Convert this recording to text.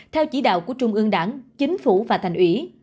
theo chỉ đạo của trung ương đảng chính phủ và thành ủy